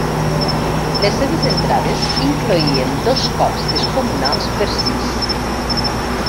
Les seves entrades incloïen dos cops descomunals per sis.